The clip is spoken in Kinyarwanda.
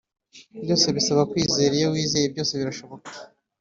Byose bisaba kwizera iyo wizeye byose birashoboka